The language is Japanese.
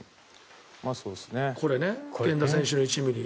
これね、源田選手の１ｍｍ。